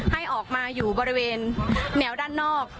ให้ออกมาอยู่บริเวณแนวด้านนอก